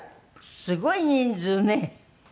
すごい人数ね。